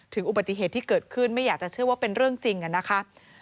อุบัติเหตุที่เกิดขึ้นไม่อยากจะเชื่อว่าเป็นเรื่องจริงนะครับ